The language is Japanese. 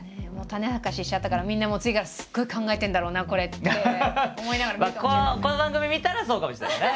種明かししちゃったからみんな次から「すごい考えてるんだろうなこれ」って思いながら見るかもしれないですね。